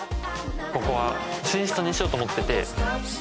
ここは寝室にしようと思ってて。